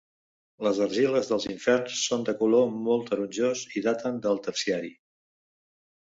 Les argiles dels Inferns són de color molt taronjós i daten del Terciari.